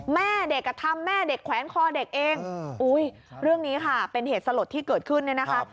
แม่เด็กอ่ะทำแม่เด็กแขวนคอเด็กเองอุ้ยเรื่องนี้ค่ะเป็นเหตุสลดที่เกิดขึ้นเนี่ยนะคะ